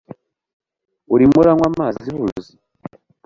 urimo uranywa amazi buzi